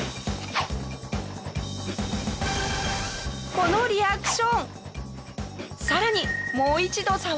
このリアクション！